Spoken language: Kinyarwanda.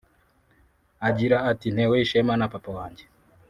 agira ati" Ntewe ishema na papa wanjye